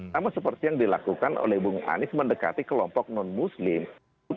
sama seperti yang dilakukan oleh bung anies mendekati kelompok non muslim